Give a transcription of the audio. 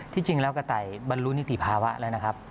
ที่จริงแล้วกะไตบรรลุนิติภาวะแล้วนะครับ